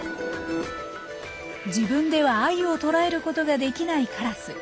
自分ではアユを捕らえることができないカラス。